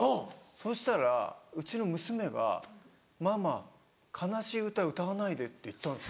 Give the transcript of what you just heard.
そしたらうちの娘が「ママ悲しい歌歌わないで」って言ったんです。